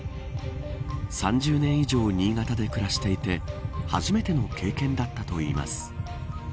３０年以上新潟で暮らしていて初めての経験だったといいます。